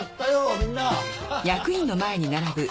みんな！